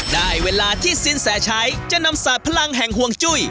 ได้เวลาที่สินแสชัยจะนำสาดพลังแห่งห่วงจุ้ย